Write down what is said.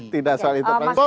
tidak soal interpretasi